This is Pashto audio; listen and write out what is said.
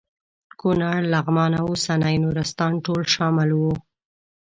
کونړ لغمان او اوسنی نورستان ټول شامل وو.